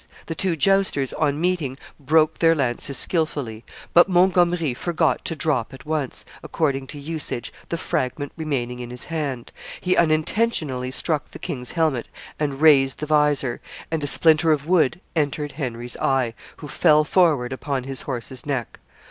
The two jousters, on meeting, broke their lances skilfully; but Montgomery forgot to drop at once, according to usage, the fragment remaining in his hand; he unintentionally struck the king's helmet and raised the visor, and a splinter of wood entered Henry's eye, who fell forward upon his horse's neck.